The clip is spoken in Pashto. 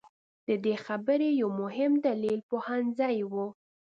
د دې خبرې یو مهم دلیل پوهنځي وو.